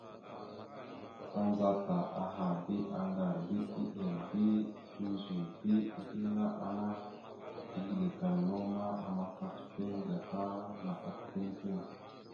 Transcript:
Tandzata aha bi aŋgar bi eɗel bi slʉze bi iɗeŋa ana teslekal naw ma, amafat piŋ gata maɗak piŋ piŋ.